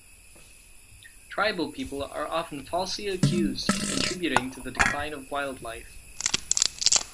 Tribal people are often falsely accused of contributing to the decline of wildlife.